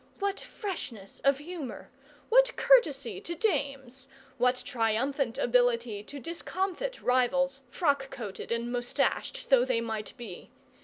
What freshness of humour, what courtesy to dames, what triumphant ability to discomfit rivals, frock coated and moustached though they might be!